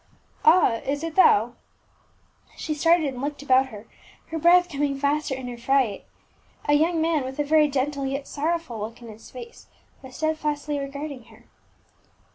"Ah, it is thou?" She started and looked about her, her breath coming faster in her fright. A young man with a very gentle yet sorrowful look in his face was stead fastly regarding her.